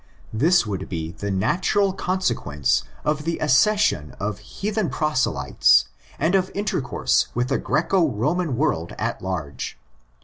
This would be the natural consequence of the accession of heathen proselytes and of intercourse with the Greco Roman world at large.